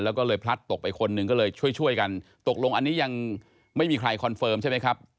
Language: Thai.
แล้วก็เลยพลัดตกไปคนหนึ่งก็เลยช่วยช่วยกันตกลงอันนี้ยังไม่มีใครคอนเฟิร์มใช่ไหมครับ